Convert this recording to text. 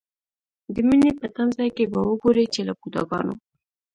د مینې په تمځای کې به وګورئ چې له بوډاګانو.